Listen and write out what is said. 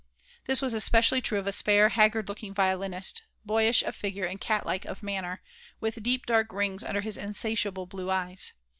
This was especially true of a spare, haggard looking violinist, boyish of figure and cat like of manner, with deep dark rings under his insatiable blue eyes.